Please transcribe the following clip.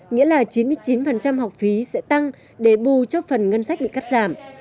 nghĩa là chín mươi chín học phí sẽ tăng để bù cho phần ngân sách bị cắt giảm